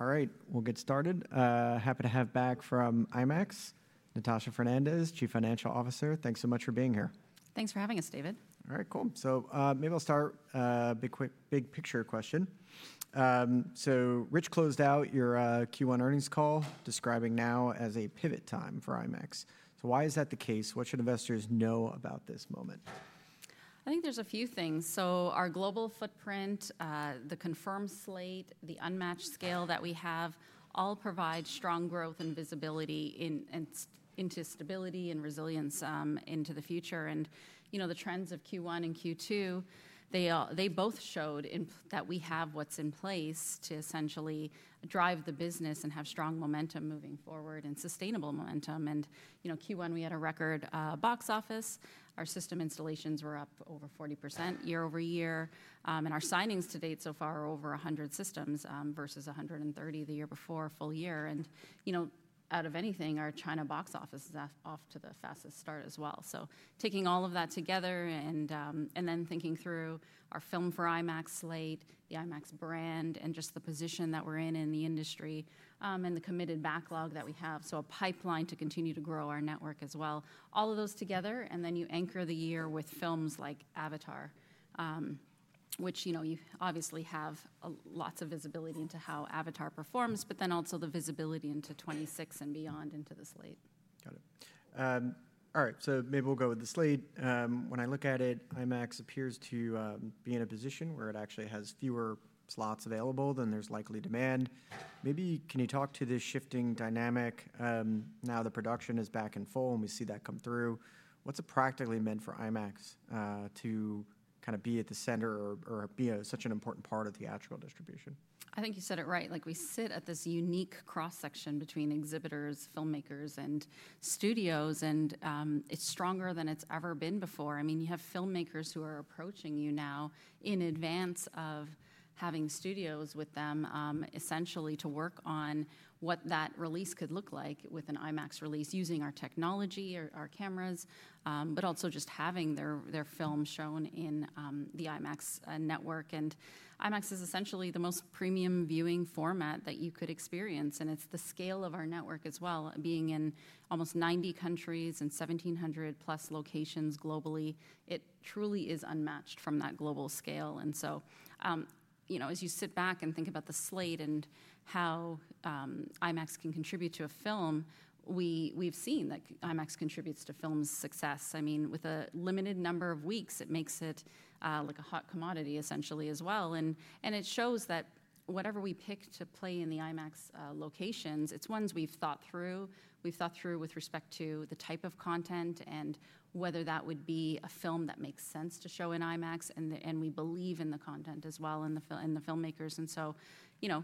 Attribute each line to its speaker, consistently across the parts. Speaker 1: All right, we'll get started. Happy to have back from IMAX, Natasha Fernandes, Chief Financial Officer. Thanks so much for being here.
Speaker 2: Thanks for having us, David. All right, cool. Maybe I'll start with a big picture question. Rich closed out your Q1 earnings call, describing now as a pivot time for IMAX. Why is that the case? What should investors know about this moment? I think there's a few things. Our global footprint, the confirmed slate, the unmatched scale that we have all provide strong growth and visibility into stability and resilience into the future. The trends of Q1 and Q2, they both showed that we have what's in place to essentially drive the business and have strong momentum moving forward and sustainable momentum. In Q1, we had a record box office. Our system installations were up over 40% year over year. Our signings to date so far are over 100 systems versus 130 the year before, full year. Out of anything, our China box office is off to the fastest start as well. Taking all of that together and then thinking through our film for IMAX slate, the IMAX brand, and just the position that we're in in the industry, and the committed backlog that we have, so a pipeline to continue to grow our network as well. All of those together, and then you anchor the year with films like Avatar, which you obviously have lots of visibility into how Avatar performs, but then also the visibility into 2026 and beyond into the slate. Got it. All right, so maybe we'll go with the slate. When I look at it, IMAX appears to be in a position where it actually has fewer slots available than there's likely demand. Maybe can you talk to this shifting dynamic? Now the production is back in full, and we see that come through. What's it practically meant for IMAX to kind of be at the center or be such an important part of theatrical distribution? I think you said it right. We sit at this unique cross-section between exhibitors, filmmakers, and studios, and it's stronger than it's ever been before. I mean, you have filmmakers who are approaching you now in advance of having studios with them essentially to work on what that release could look like with an IMAX release using our technology, our cameras, but also just having their film shown in the IMAX network. IMAX is essentially the most premium viewing format that you could experience. It is the scale of our network as well. Being in almost 90 countries and 1,700-plus locations globally, it truly is unmatched from that global scale. As you sit back and think about the slate and how IMAX can contribute to a film, we've seen that IMAX contributes to film's success. I mean, with a limited number of weeks, it makes it like a hot commodity essentially as well. It shows that whatever we pick to play in the IMAX locations, it's ones we've thought through. We've thought through with respect to the type of content and whether that would be a film that makes sense to show in IMAX. We believe in the content as well and the filmmakers.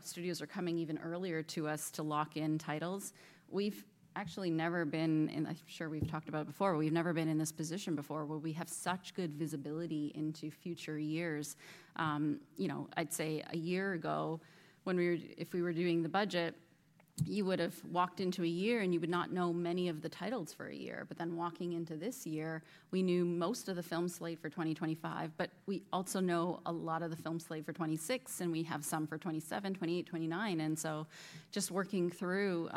Speaker 2: Studios are coming even earlier to us to lock in titles. We've actually never been in, I'm sure we've talked about it before, but we've never been in this position before where we have such good visibility into future years. I'd say a year ago, if we were doing the budget, you would have walked into a year and you would not know many of the titles for a year. Walking into this year, we knew most of the film slate for 2025, but we also know a lot of the film slate for 2026, and we have some for 2027, 2028, 2029. Just working through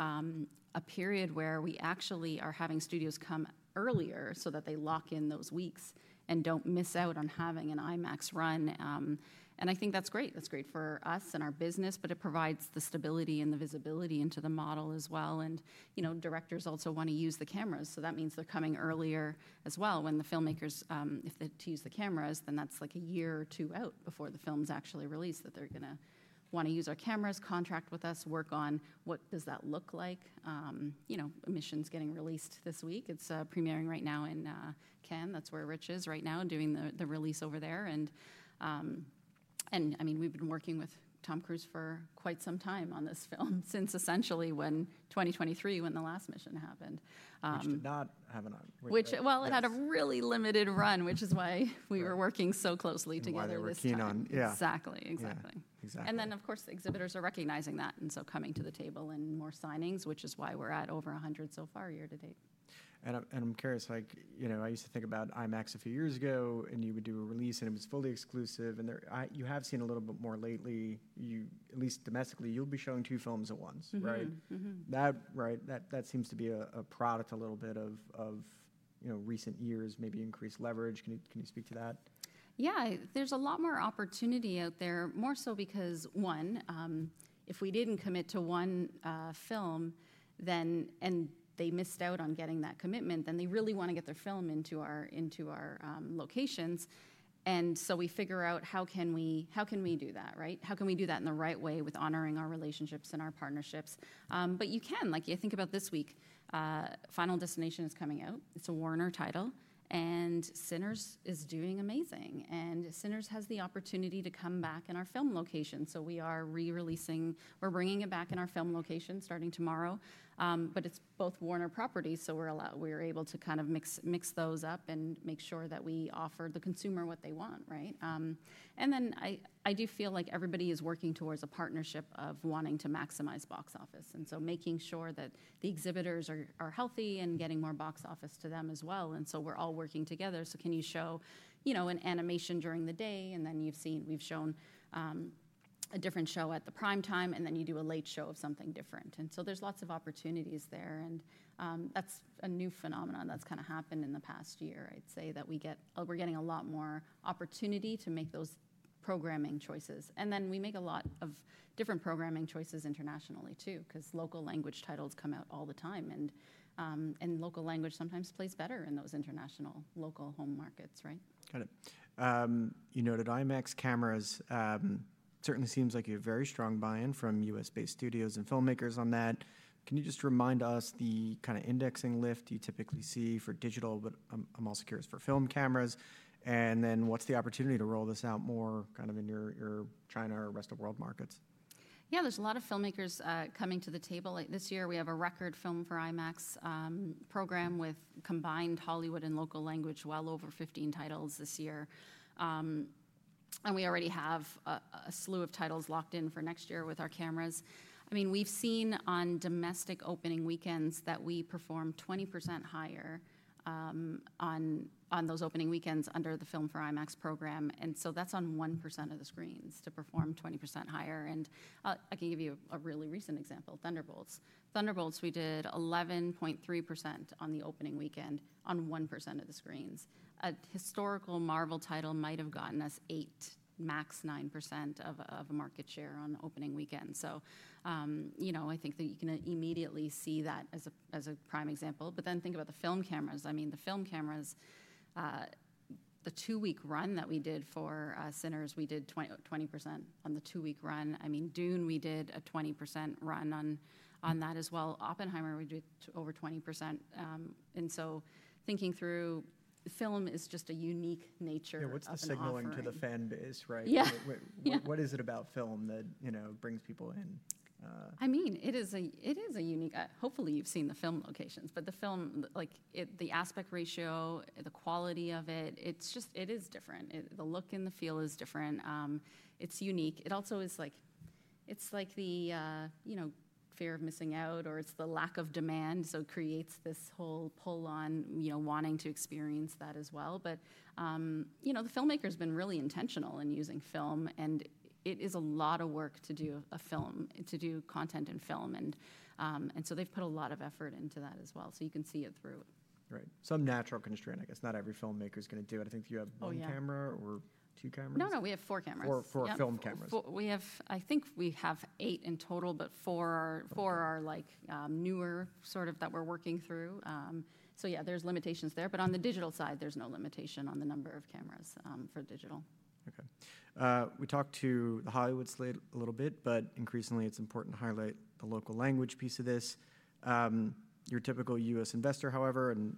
Speaker 2: a period where we actually are having studios come earlier so that they lock in those weeks and do not miss out on having an IMAX run. I think that is great. That is great for us and our business, but it provides the stability and the visibility into the model as well. Directors also want to use the cameras. That means they are coming earlier as well. When the filmmakers, if they choose the cameras, then that is like a year or two out before the film is actually released that they are going to want to use our cameras, contract with us, work on what does that look like. Emissions getting released this week. It is premiering right now in Cannes. That is where Rich is right now doing the release over there. I mean, we have been working with Tom Cruise for quite some time on this film since essentially 2023 when the last mission happened. Which did not have an on. It had a really limited run, which is why we were working so closely together with Tom. What we're working on. Exactly, exactly. Exactly. Of course, exhibitors are recognizing that and so coming to the table and more signings, which is why we're at over 100 so far year to date. I'm curious, I used to think about IMAX a few years ago and you would do a release and it was fully exclusive. You have seen a little bit more lately, at least domestically, you'll be showing two films at once, right? That seems to be a product a little bit of recent years, maybe increased leverage. Can you speak to that? Yeah, there's a lot more opportunity out there, more so because, one, if we didn't commit to one film and they missed out on getting that commitment, then they really want to get their film into our locations. And so we figure out how can we do that, right? How can we do that in the right way with honoring our relationships and our partnerships? But you can. Like you think about this week, Final Destination is coming out. It's a Warner Bros. title. And Sinners is doing amazing. And Sinners has the opportunity to come back in our film location. So we are re-releasing. We're bringing it back in our film location starting tomorrow. But it's both Warner Bros. properties, so we're able to kind of mix those up and make sure that we offer the consumer what they want, right? I do feel like everybody is working towards a partnership of wanting to maximize box office. Making sure that the exhibitors are healthy and getting more box office to them as well, we are all working together. Can you show an animation during the day? We have shown a different show at prime time, and then you do a late show of something different. There are lots of opportunities there. That is a new phenomenon that has kind of happened in the past year, I would say, that we are getting a lot more opportunity to make those programming choices. We make a lot of different programming choices internationally too, because local language titles come out all the time. Local language sometimes plays better in those international local home markets, right? Got it. You noted IMAX cameras. Certainly seems like you have very strong buy-in from U.S.-based studios and filmmakers on that. Can you just remind us the kind of indexing lift you typically see for digital, but I'm also curious for film cameras? And then what's the opportunity to roll this out more kind of in your China or rest of world markets? Yeah, there's a lot of filmmakers coming to the table. This year we have a record Film for IMAX program with combined Hollywood and local language well over 15 titles this year. We already have a slew of titles locked in for next year with our cameras. I mean, we've seen on domestic opening weekends that we perform 20% higher on those opening weekends under the Film for IMAX program. That's on 1% of the screens to perform 20% higher. I can give you a really recent example, Thunderbolts. Thunderbolts, we did 11.3% on the opening weekend on 1% of the screens. A historical Marvel title might have gotten us 8%, max 9% of a market share on opening weekend. I think that you can immediately see that as a prime example. Think about the film cameras. I mean, the film cameras, the two-week run that we did for Sinners, we did 20% on the two-week run. I mean, Dune, we did a 20% run on that as well. Oppenheimer, we did over 20%. I mean, thinking through film is just a unique nature of the film. Yeah, what's the signaling to the fan base, right? What is it about film that brings people in? I mean, it is a unique, hopefully you've seen the film locations, but the film, the aspect ratio, the quality of it, it is different. The look and the feel is different. It's unique. It also is like the fear of missing out or it's the lack of demand, so it creates this whole pull on wanting to experience that as well. The filmmaker has been really intentional in using film, and it is a lot of work to do a film, to do content in film. They have put a lot of effort into that as well. You can see it through. Right. Some natural constraint, I guess. Not every filmmaker is going to do it. I think you have one camera or two cameras? No, no, we have four cameras. Four film cameras. I think we have eight in total, but four are newer sort of that we're working through. Yeah, there's limitations there. On the digital side, there's no limitation on the number of cameras for digital. Okay. We talked to the Hollywood slate a little bit, but increasingly it's important to highlight the local language piece of this. Your typical U.S. investor, however, and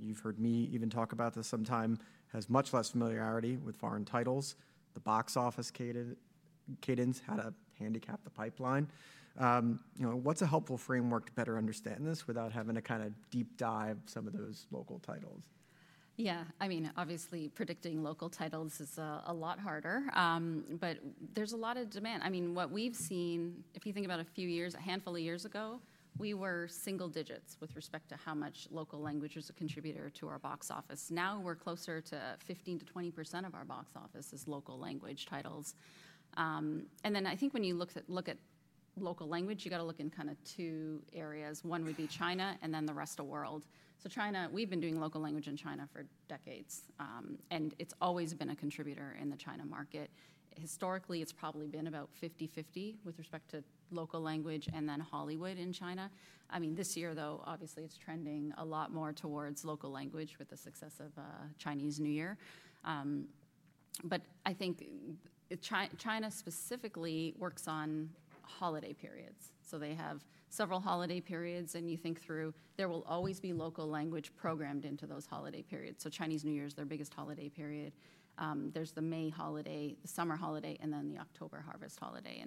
Speaker 2: you've heard me even talk about this sometime, has much less familiarity with foreign titles. The box office cadence had a handicap, the pipeline. What's a helpful framework to better understand this without having to kind of deep dive some of those local titles? Yeah, I mean, obviously predicting local titles is a lot harder, but there's a lot of demand. I mean, what we've seen, if you think about a few years, a handful of years ago, we were single digits with respect to how much local language was a contributor to our box office. Now we're closer to 15%-20% of our box office is local language titles. I think when you look at local language, you got to look in kind of two areas. One would be China and then the rest of the world. China, we've been doing local language in China for decades, and it's always been a contributor in the China market. Historically, it's probably been about 50-50 with respect to local language and then Hollywood in China. I mean, this year though, obviously it's trending a lot more towards local language with the success of Chinese New Year. I think China specifically works on holiday periods. They have several holiday periods, and you think through, there will always be local language programmed into those holiday periods. Chinese New Year is their biggest holiday period. There's the May holiday, the summer holiday, and then the October harvest holiday.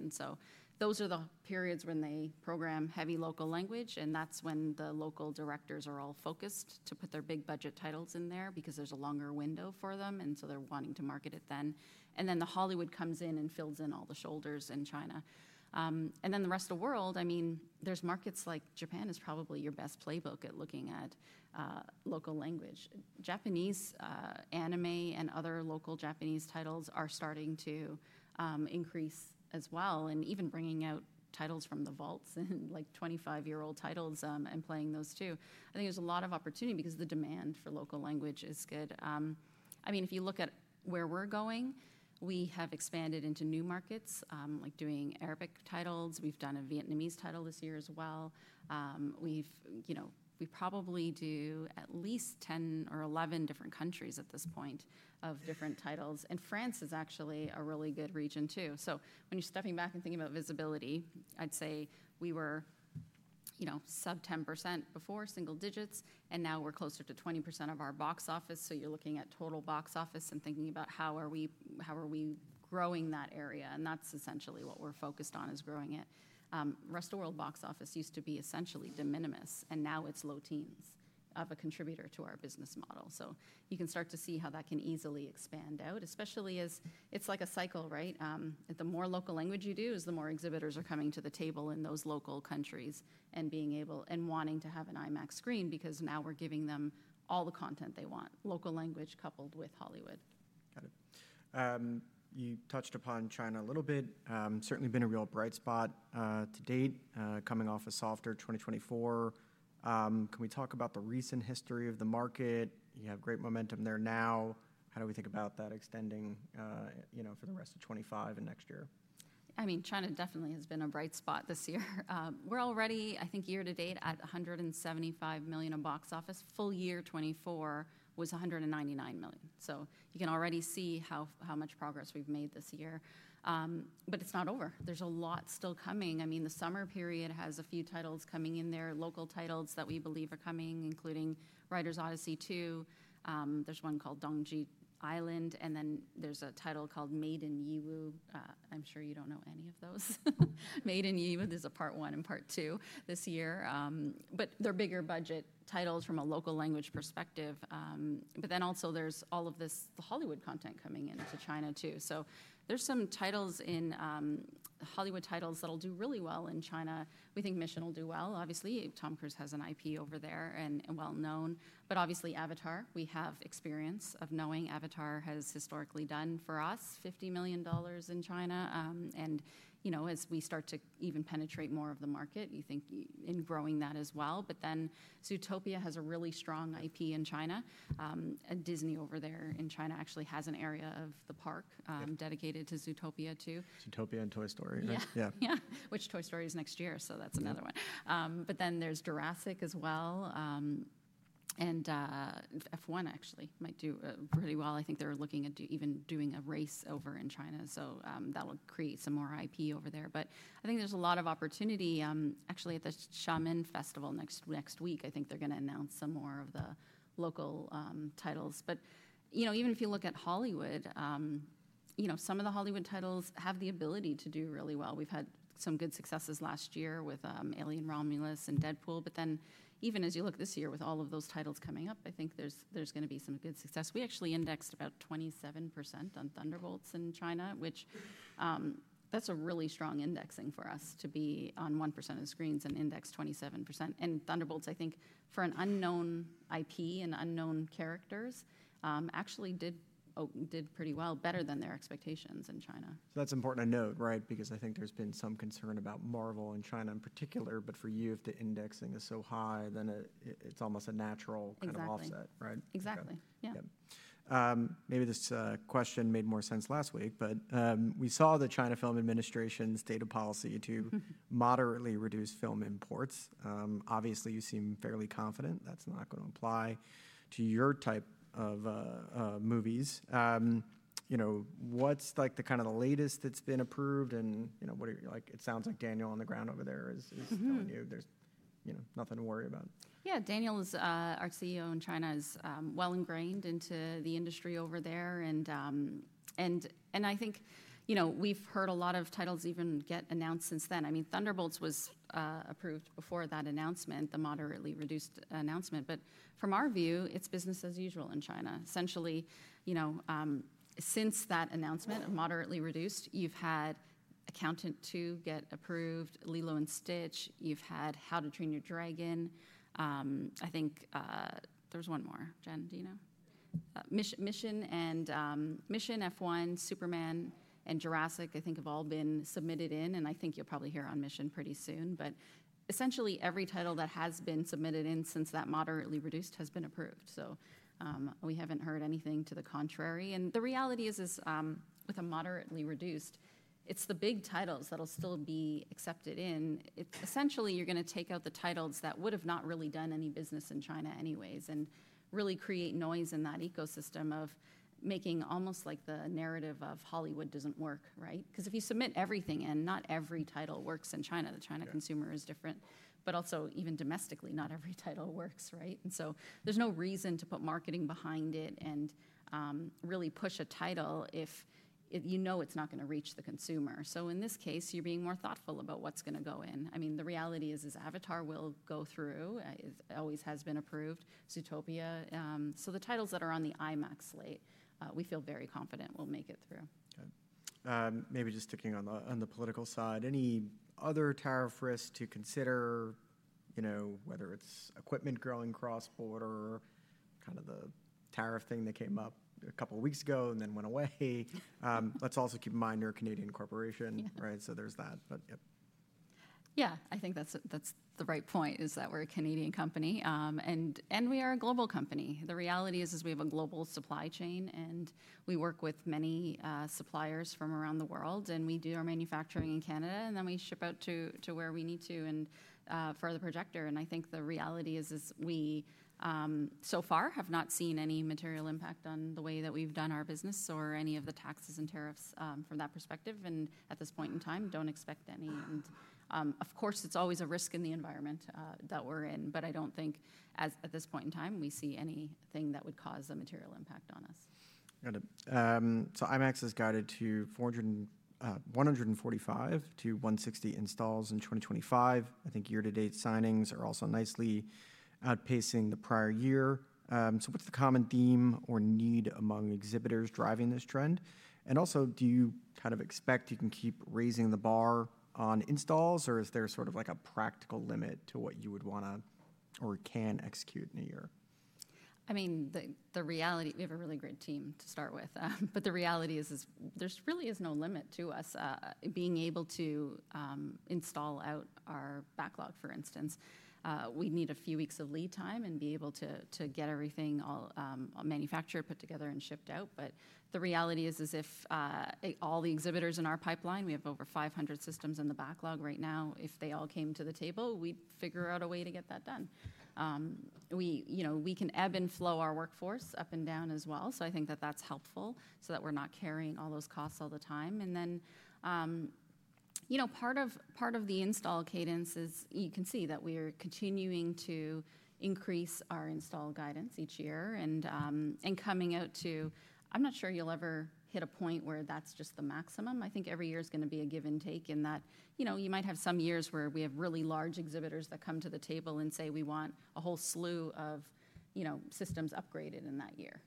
Speaker 2: Those are the periods when they program heavy local language, and that's when the local directors are all focused to put their big budget titles in there because there's a longer window for them, and they're wanting to market it then. Then the Hollywood comes in and fills in all the shoulders in China. The rest of the world, I mean, there's markets like Japan is probably your best playbook at looking at local language. Japanese anime and other local Japanese titles are starting to increase as well, and even bringing out titles from the vaults and like 25-year-old titles and playing those too. I think there's a lot of opportunity because the demand for local language is good. I mean, if you look at where we're going, we have expanded into new markets, like doing Arabic titles. We've done a Vietnamese title this year as well. We probably do at least 10 or 11 different countries at this point of different titles. France is actually a really good region too. When you're stepping back and thinking about visibility, I'd say we were sub 10% before, single digits, and now we're closer to 20% of our box office. You're looking at total box office and thinking about how are we growing that area. That's essentially what we're focused on is growing it. Rest of world box office used to be essentially de minimis, and now it's low teens of a contributor to our business model. You can start to see how that can easily expand out, especially as it's like a cycle, right? The more local language you do is the more exhibitors are coming to the table in those local countries and being able and wanting to have an IMAX screen because now we're giving them all the content they want, local language coupled with Hollywood. Got it. You touched upon China a little bit. Certainly been a real bright spot to date, coming off a softer 2024. Can we talk about the recent history of the market? You have great momentum there now. How do we think about that extending for the rest of 2025 and next year? I mean, China definitely has been a bright spot this year. We're already, I think year to date at $175 million of box office. Full year 2024 was $199 million. You can already see how much progress we've made this year. It's not over. There's a lot still coming. I mean, the summer period has a few titles coming in there, local titles that we believe are coming, including Writer's Odyssey 2. There's one called Dongji Island, and then there's a title called Maiden Yiwu. I'm sure you don't know any of those. Maiden Yiwu is a part one and part two this year. They're bigger budget titles from a local language perspective. Also, there's all of this Hollywood content coming into China too. There's some titles in Hollywood titles that'll do really well in China. We think Mission will do well. Obviously, Tom Cruise has an IP over there and well known. Obviously, Avatar, we have experience of knowing Avatar has historically done for us $50 million in China. As we start to even penetrate more of the market, you think in growing that as well. Zootopia has a really strong IP in China. Disney over there in China actually has an area of the park dedicated to Zootopia 2. Zootopia and Toy Story. Yeah, which Toy Story is next year. So that's another one. But then there's Jurassic as well. And F1 actually might do pretty well. I think they're looking at even doing a race over in China. So that will create some more IP over there. But I think there's a lot of opportunity actually at the Xiamen Festival next week. I think they're going to announce some more of the local titles. But even if you look at Hollywood, some of the Hollywood titles have the ability to do really well. We've had some good successes last year with Alien Romulus and Deadpool. But then even as you look this year with all of those titles coming up, I think there's going to be some good success. We actually indexed about 27% on Thunderbolts in China, which is a really strong indexing for us to be on 1% of the screens and index 27%. Thunderbolts, I think for an unknown IP and unknown characters, actually did pretty well, better than their expectations in China. That's important to note, right? Because I think there's been some concern about Marvel in China in particular, but for you, if the indexing is so high, then it's almost a natural kind of offset, right? Exactly. Yeah. Maybe this question made more sense last week, but we saw the China Film Administration's data policy to moderately reduce film imports. Obviously, you seem fairly confident that's not going to apply to your type of movies. What's like the kind of the latest that's been approved and what are you like? It sounds like Daniel on the ground over there is telling you there's nothing to worry about. Yeah, Daniel is our CEO in China, is well ingrained into the industry over there. I think we've heard a lot of titles even get announced since then. I mean, Thunderbolts was approved before that announcement, the moderately reduced announcement. From our view, it's business as usual in China. Essentially, since that announcement of moderately reduced, you've had Accountant 2 get approved, Lilo & Stitch, you've had How to Train Your Dragon. I think there's one more. Jen, do you know? Mission and Mission F1, Superman and Jurassic, I think, have all been submitted in. I think you'll probably hear on Mission pretty soon. Essentially, every title that has been submitted in since that moderately reduced has been approved. We haven't heard anything to the contrary. The reality is with a moderately reduced, it's the big titles that'll still be accepted in. Essentially, you're going to take out the titles that would have not really done any business in China anyways and really create noise in that ecosystem of making almost like the narrative of Hollywood doesn't work, right? Because if you submit everything in, not every title works in China. The China consumer is different, but also even domestically, not every title works, right? There is no reason to put marketing behind it and really push a title if you know it's not going to reach the consumer. In this case, you're being more thoughtful about what's going to go in. I mean, the reality is Avatar will go through, always has been approved, Zootopia. The titles that are on the IMAX slate, we feel very confident will make it through. Maybe just sticking on the political side, any other tariff risks to consider, whether it's equipment going cross-border, kind of the tariff thing that came up a couple of weeks ago and then went away? Let's also keep in mind you're a Canadian corporation, right? So there's that, but yep. Yeah, I think that's the right point is that we're a Canadian company and we are a global company. The reality is we have a global supply chain and we work with many suppliers from around the world and we do our manufacturing in Canada and then we ship out to where we need to and for the projector. I think the reality is we so far have not seen any material impact on the way that we've done our business or any of the taxes and tariffs from that perspective and at this point in time, don't expect any. Of course, it's always a risk in the environment that we're in, but I don't think at this point in time we see anything that would cause a material impact on us. Got it. IMAX has guided to 145-160 installs in 2025. I think year-to-date signings are also nicely outpacing the prior year. What is the common theme or need among exhibitors driving this trend? Also, do you kind of expect you can keep raising the bar on installs or is there sort of a practical limit to what you would want to or can execute in a year? I mean, the reality, we have a really great team to start with, but the reality is there really is no limit to us being able to install out our backlog, for instance. We need a few weeks of lead time and be able to get everything manufactured, put together and shipped out. The reality is as if all the exhibitors in our pipeline, we have over 500 systems in the backlog right now. If they all came to the table, we'd figure out a way to get that done. We can ebb and flow our workforce up and down as well. I think that that's helpful so that we're not carrying all those costs all the time. Part of the install cadence is you can see that we are continuing to increase our install guidance each year and coming out to, I'm not sure you'll ever hit a point where that's just the maximum. I think every year is going to be a give and take in that you might have some years where we have really large exhibitors that come to the table and say, we want a whole slew of systems upgraded in that year.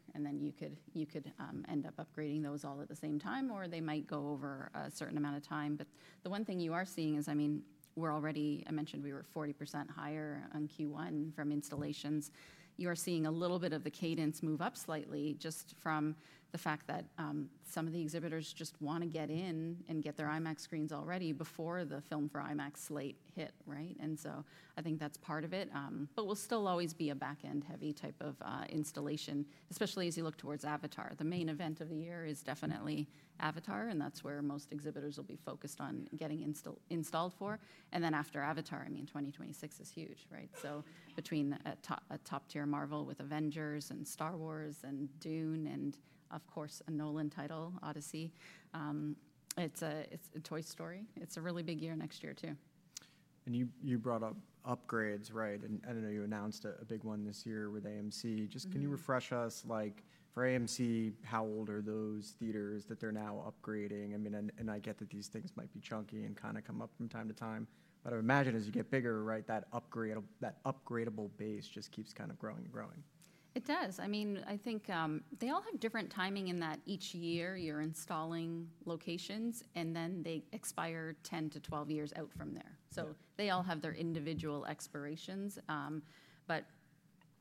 Speaker 2: You could end up upgrading those all at the same time or they might go over a certain amount of time. The one thing you are seeing is, I mean, we're already, I mentioned we were 40% higher on Q1 from installations. You are seeing a little bit of the cadence move up slightly just from the fact that some of the exhibitors just want to get in and get their IMAX screens already before the Filmed For IMAX slate hit, right? I think that's part of it. We'll still always be a back-end heavy type of installation, especially as you look towards Avatar. The main event of the year is definitely Avatar and that's where most exhibitors will be focused on getting installed for. After Avatar, I mean, 2026 is huge, right? Between a top-tier Marvel with Avengers and Star Wars and Dune and of course a Nolan title, Odyssey, it's a Toy Story. It's a really big year next year too. You brought up upgrades, right? I know you announced a big one this year with AMC. Just can you refresh us, like for AMC, how old are those theaters that they're now upgrading? I mean, I get that these things might be chunky and kind of come up from time to time, but I imagine as you get bigger, right, that upgradable base just keeps kind of growing and growing. It does. I mean, I think they all have different timing in that each year you're installing locations and then they expire 10 to 12 years out from there. So they all have their individual expirations. But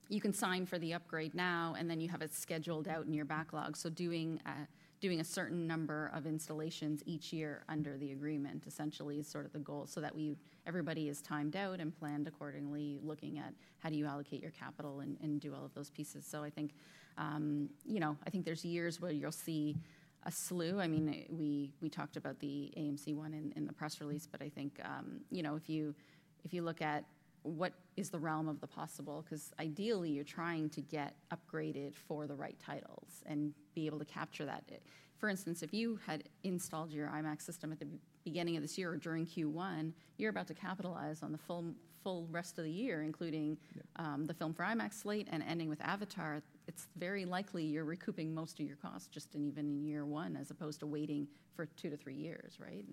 Speaker 2: you can sign for the upgrade now and then you have it scheduled out in your backlog. Doing a certain number of installations each year under the agreement essentially is sort of the goal so that everybody is timed out and planned accordingly, looking at how do you allocate your capital and do all of those pieces. I think there's years where you'll see a slew. I mean, we talked about the AMC one in the press release, but I think if you look at what is the realm of the possible, because ideally you're trying to get upgraded for the right titles and be able to capture that. For instance, if you had installed your IMAX system at the beginning of this year or during Q1, you're about to capitalize on the full rest of the year, including the film for IMAX slate and ending with Avatar. It's very likely you're recouping most of your costs just in even in year one as opposed to waiting for two to three years, right?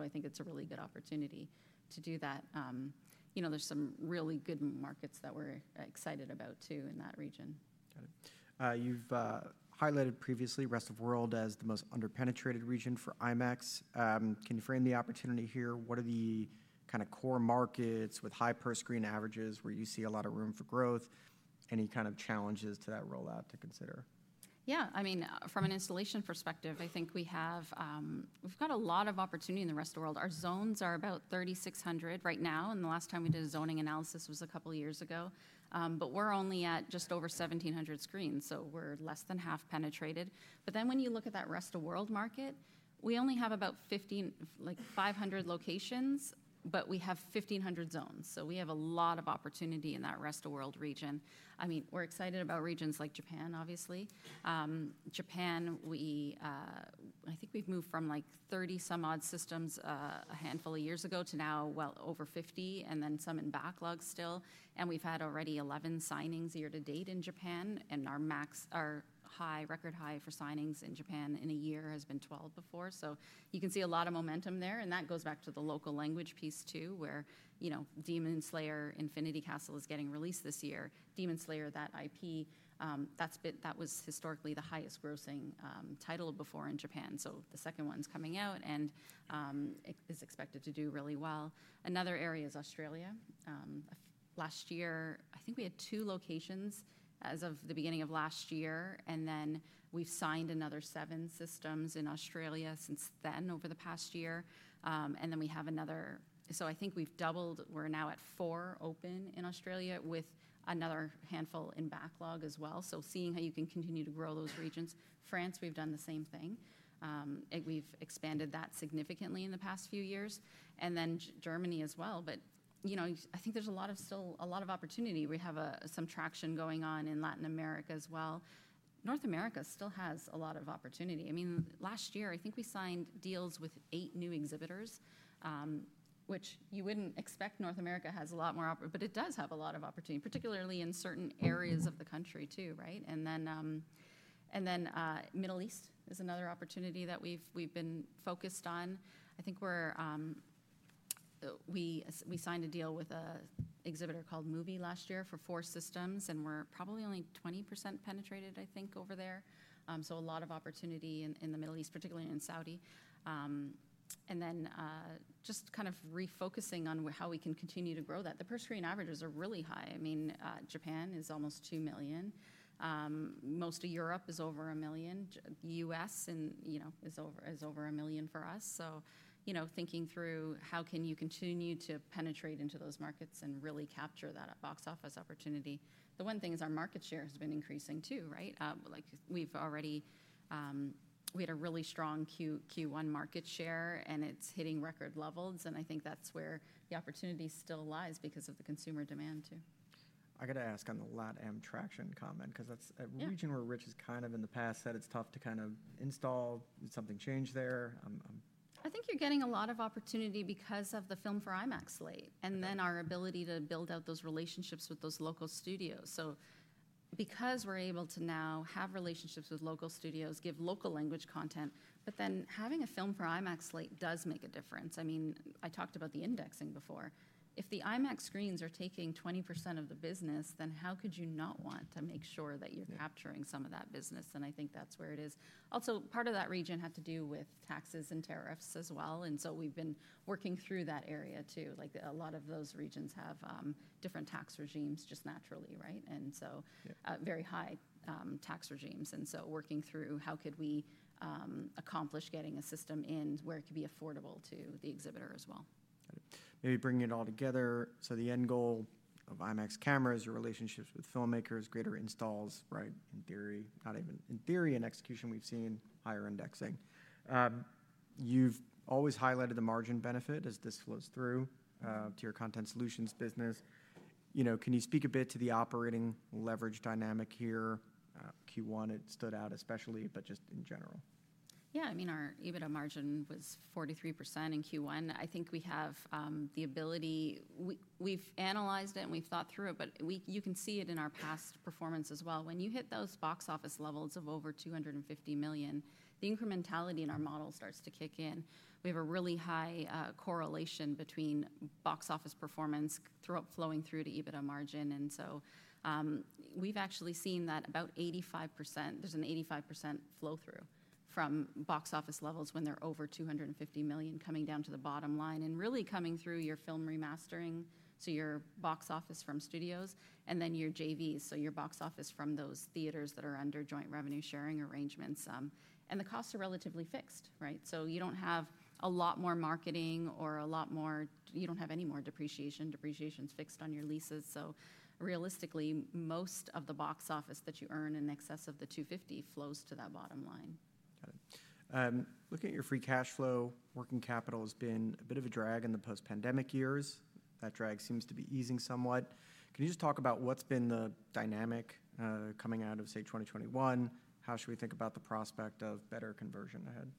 Speaker 2: I think it's a really good opportunity to do that. There's some really good markets that we're excited about too in that region. Got it. You've highlighted previously rest of world as the most under-penetrated region for IMAX. Can you frame the opportunity here? What are the kind of core markets with high per-screen averages where you see a lot of room for growth? Any kind of challenges to that rollout to consider? Yeah, I mean, from an installation perspective, I think we've got a lot of opportunity in the rest of world. Our zones are about 3,600 right now. The last time we did a zoning analysis was a couple of years ago. We're only at just over 1,700 screens, so we're less than half penetrated. When you look at that rest of world market, we only have about 500 locations, but we have 1,500 zones. We have a lot of opportunity in that rest of world region. I mean, we're excited about regions like Japan, obviously. Japan, I think we've moved from like 30 some odd systems a handful of years ago to now well over 50 and then some in backlog still. We've had already 11 signings year to date in Japan. Our record high for signings in Japan in a year has been 12 before. You can see a lot of momentum there. That goes back to the local language piece too, where Demon Slayer: Infinity Castle is getting released this year. Demon Slayer, that IP, that was historically the highest grossing title before in Japan. The second one is coming out and is expected to do really well. Another area is Australia. Last year, I think we had two locations as of the beginning of last year. We have signed another seven systems in Australia since then over the past year. We have another. I think we have doubled. We are now at four open in Australia with another handful in backlog as well. Seeing how you can continue to grow those regions. France, we have done the same thing. We've expanded that significantly in the past few years. Germany as well. I think there's still a lot of opportunity. We have some traction going on in Latin America as well. North America still has a lot of opportunity. I mean, last year, I think we signed deals with eight new exhibitors, which you wouldn't expect. North America has a lot more opportunity, but it does have a lot of opportunity, particularly in certain areas of the country too, right? Middle East is another opportunity that we've been focused on. I think we signed a deal with an exhibitor called MUBI last year for four systems. We're probably only 20% penetrated, I think, over there. A lot of opportunity in the Middle East, particularly in Saudi. Just kind of refocusing on how we can continue to grow that. The per-screen averages are really high. I mean, Japan is almost $2 million. Most of Europe is over $1 million. U.S. is over $1 million for us. Thinking through how can you continue to penetrate into those markets and really capture that box office opportunity. The one thing is our market share has been increasing too, right? We had a really strong Q1 market share and it is hitting record levels. I think that is where the opportunity still lies because of the consumer demand too. I got to ask on the LatAm traction comment, because that's a region where Rich has kind of in the past said it's tough to kind of install. Did something change there? I think you're getting a lot of opportunity because of the film for IMAX slate and then our ability to build out those relationships with those local studios. Because we're able to now have relationships with local studios, give local language content, but then having a film for IMAX slate does make a difference. I mean, I talked about the indexing before. If the IMAX screens are taking 20% of the business, then how could you not want to make sure that you're capturing some of that business? I think that's where it is. Also, part of that region had to do with taxes and tariffs as well. We've been working through that area too. A lot of those regions have different tax regimes just naturally, right? Very high tax regimes. Working through how could we accomplish getting a system in where it could be affordable to the exhibitor as well. Maybe bringing it all together. The end goal of IMAX cameras are relationships with filmmakers, greater installs, right? In theory, not even in theory, in execution we have seen higher indexing. You have always highlighted the margin benefit as this flows through to your content solutions business. Can you speak a bit to the operating leverage dynamic here? Q1 it stood out especially, but just in general. Yeah, I mean, our EBITDA margin was 43% in Q1. I think we have the ability, we've analyzed it and we've thought through it, but you can see it in our past performance as well. When you hit those box office levels of over $250 million, the incrementality in our model starts to kick in. We have a really high correlation between box office performance flowing through to EBITDA margin. And so we've actually seen that about 85%, there's an 85% flow through from box office levels when they're over $250 million coming down to the bottom line and really coming through your film remastering, so your box office from studios and then your JVs, so your box office from those theaters that are under joint revenue sharing arrangements. And the costs are relatively fixed, right? You do not have a lot more marketing or a lot more, you do not have any more depreciation. Depreciation is fixed on your leases. Realistically, most of the box office that you earn in excess of the $250 flows to that bottom line. Got it. Looking at your free cash flow, working capital has been a bit of a drag in the post-pandemic years. That drag seems to be easing somewhat. Can you just talk about what's been the dynamic coming out of, say, 2021? How should we think about the prospect of better conversion ahead?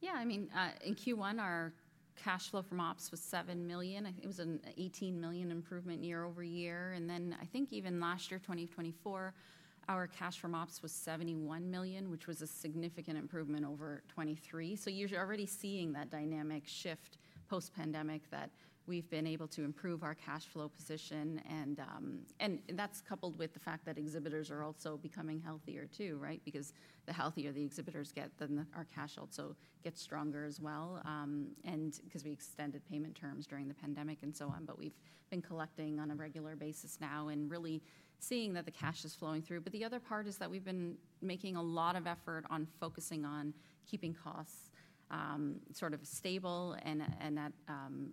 Speaker 2: Yeah, I mean, in Q1 our cash flow from ops was $7 million. It was an $18 million improvement year over year. I think even last year, 2024, our cash from ops was $71 million, which was a significant improvement over 2023. You're already seeing that dynamic shift post-pandemic that we've been able to improve our cash flow position. That's coupled with the fact that exhibitors are also becoming healthier too, right? The healthier the exhibitors get, then our cash also gets stronger as well. We extended payment terms during the pandemic and so on, but we've been collecting on a regular basis now and really seeing that the cash is flowing through. The other part is that we've been making a lot of effort on focusing on keeping costs sort of stable and at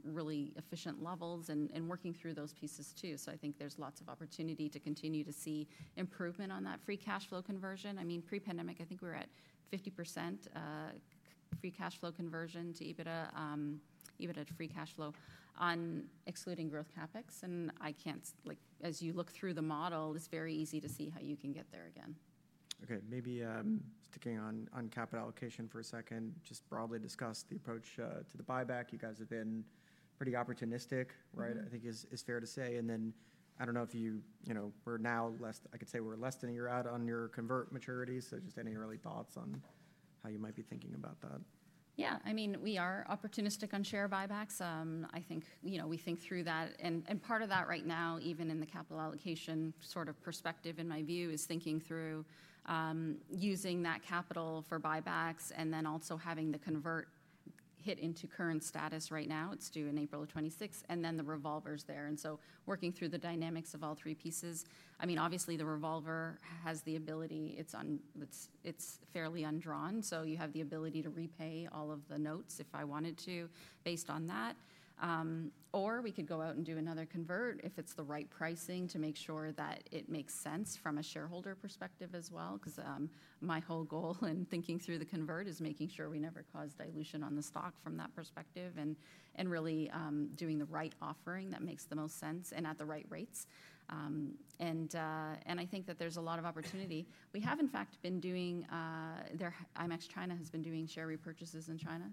Speaker 2: really efficient levels and working through those pieces too. I think there's lots of opportunity to continue to see improvement on that free cash flow conversion. I mean, pre-pandemic, I think we were at 50% free cash flow conversion to EBITDA, EBITDA to free cash flow on excluding growth CapEx. I can't, as you look through the model, it's very easy to see how you can get there again. Okay, maybe sticking on capital allocation for a second, just broadly discuss the approach to the buyback. You guys have been pretty opportunistic, right? I think is fair to say. I don't know if you were now less, I could say we're less than a year out on your convert maturity. Just any early thoughts on how you might be thinking about that? Yeah, I mean, we are opportunistic on share buybacks. I think we think through that. Part of that right now, even in the capital allocation sort of perspective, in my view, is thinking through using that capital for buybacks and then also having the convert hit into current status right now. It is due in April of 2026. The revolver is there. Working through the dynamics of all three pieces. I mean, obviously the revolver has the ability, it is fairly undrawn. You have the ability to repay all of the notes if I wanted to based on that. Or we could go out and do another convert if it is the right pricing to make sure that it makes sense from a shareholder perspective as well. Because my whole goal in thinking through the convert is making sure we never cause dilution on the stock from that perspective and really doing the right offering that makes the most sense and at the right rates. I think that there's a lot of opportunity. We have in fact been doing, IMAX China has been doing share repurchases in China.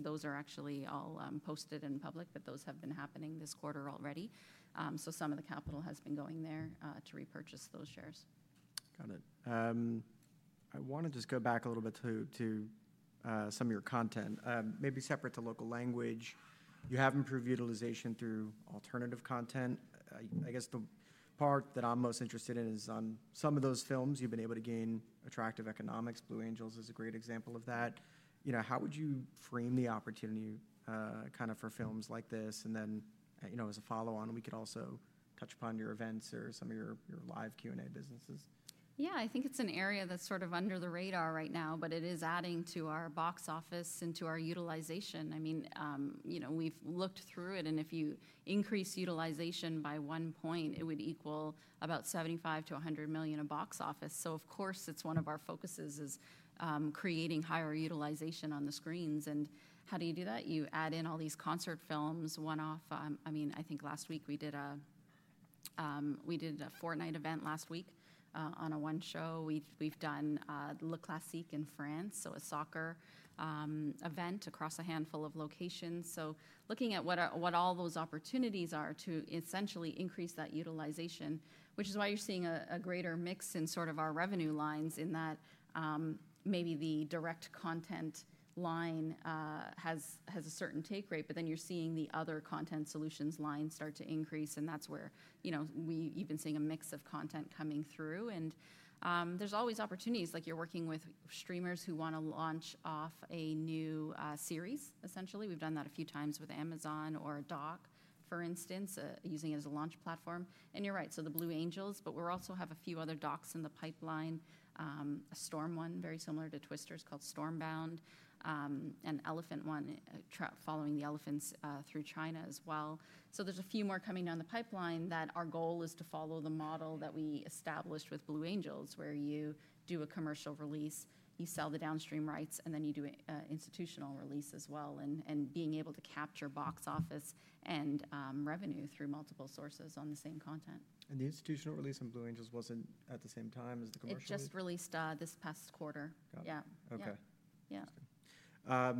Speaker 2: Those are actually all posted in public, but those have been happening this quarter already. Some of the capital has been going there to repurchase those shares. Got it. I want to just go back a little bit to some of your content. Maybe separate to local language, you have improved utilization through alternative content. I guess the part that I'm most interested in is on some of those films you've been able to gain attractive economics. Blue Angels is a great example of that. How would you frame the opportunity kind of for films like this? As a follow-on, we could also touch upon your events or some of your live Q&A businesses. Yeah, I think it's an area that's sort of under the radar right now, but it is adding to our box office and to our utilization. I mean, we've looked through it and if you increase utilization by one point, it would equal about $75 million-$100 million of box office. Of course, it's one of our focuses is creating higher utilization on the screens. How do you do that? You add in all these concert films, one-off. I mean, I think last week we did a Fortnite event last week on a one show. We've done Le Classique in France, so a soccer event across a handful of locations. Looking at what all those opportunities are to essentially increase that utilization, which is why you're seeing a greater mix in sort of our revenue lines in that maybe the direct content line has a certain take rate, but then you're seeing the other content solutions line start to increase. That's where you've been seeing a mix of content coming through. There's always opportunities like you're working with streamers who want to launch off a new series, essentially. We've done that a few times with Amazon or a doc, for instance, using it as a launch platform. You're right, the Blue Angels, but we also have a few other docs in the pipeline, a Storm one very similar to Twister's called Stormbound, an elephant one following the elephants through China as well. There are a few more coming down the pipeline that our goal is to follow the model that we established with Blue Angels, where you do a commercial release, you sell the downstream rights, and then you do an institutional release as well. Being able to capture box office and revenue through multiple sources on the same content. The institutional release on Blue Angels wasn't at the same time as the commercial release? It just released this past quarter. Got it. Okay.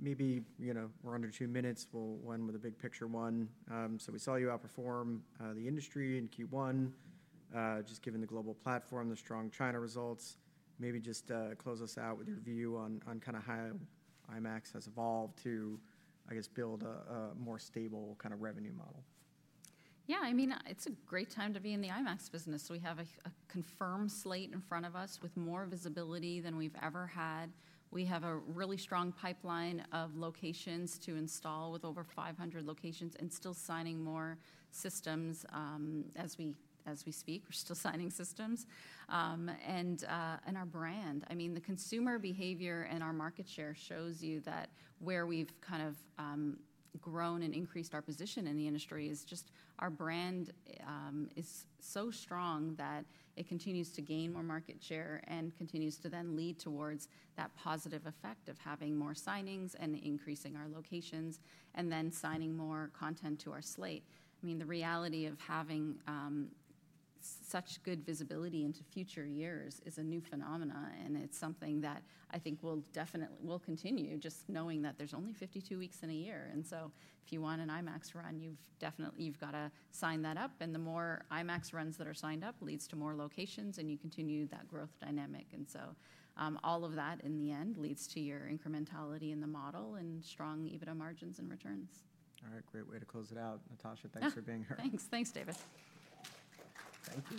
Speaker 2: Maybe we're under two minutes. We'll end with a big picture one. We saw you outperform the industry in Q1, just given the global platform, the strong China results. Maybe just close us out with your view on kind of how IMAX has evolved to, I guess, build a more stable kind of revenue model. Yeah, I mean, it's a great time to be in the IMAX business. We have a confirmed slate in front of us with more visibility than we've ever had. We have a really strong pipeline of locations to install with over 500 locations and still signing more systems as we speak. We're still signing systems. And our brand, I mean, the consumer behavior and our market share shows you that where we've kind of grown and increased our position in the industry is just our brand is so strong that it continues to gain more market share and continues to then lead towards that positive effect of having more signings and increasing our locations and then signing more content to our slate. I mean, the reality of having such good visibility into future years is a new phenomenon. It is something that I think will continue just knowing that there are only 52 weeks in a year. If you want an IMAX run, you have to sign that up. The more IMAX runs that are signed up leads to more locations and you continue that growth dynamic. All of that in the end leads to your incrementality in the model and strong EBITDA margins and returns. All right, great way to close it out. Natasha, thanks for being here. Thanks, David. Thanks.